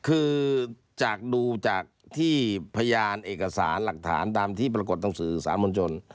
คือจากดูจากที่พยานเอกสารหลักฐานตามที่ปรากฏหนังสือสามัญชน